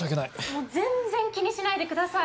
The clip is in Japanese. もう全然気にしないでください。